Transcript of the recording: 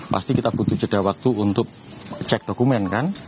pasti kita butuh jeda waktu untuk cek dokumen kan